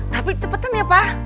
tapi cepetan ya pa